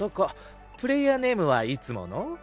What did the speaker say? プレーヤーネームはいつもの？